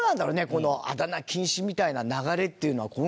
このあだ名禁止みたいな流れっていうのは今後も。